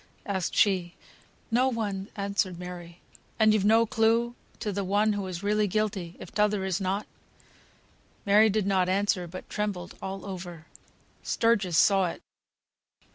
asked she. "No one!" answered Mary. "And you've no clue to the one as is really guilty, if t'other is not?" Mary did not answer, but trembled all over. Sturgis saw it.